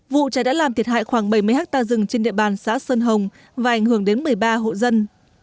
vụ cháy đã làm thiệt hại khoảng bảy mươi ha rừng trên địa bàn xã sơn hồng và ảnh hưởng đến một mươi ba hộ dân